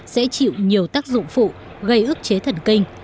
sẽ chịu nhiều tác dụng phụ gây ức chế thần kinh